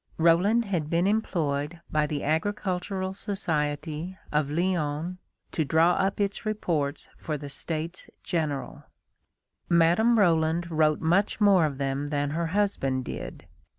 Roland had been employed by the Agricultural Society of Lyons to draw up its reports for the States General. Madame Roland wrote much more of them than her husband did.